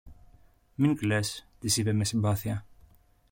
Μην κλαις, της είπε με συμπάθεια.